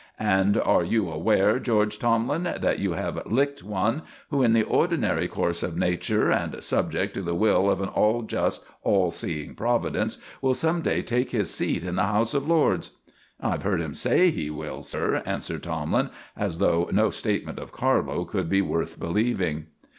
And are you aware, George Tomlin, that you have 'licked' one who, in the ordinary course of nature, and subject to the will of an all just, all seeing Providence, will some day take his seat in the House of Lords?" "I've heard him say he will, sir," answered Tomlin, as though no statement of Carlo's could be worth believing.